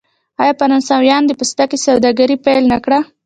آیا فرانسویانو د پوستکي سوداګري پیل نه کړه؟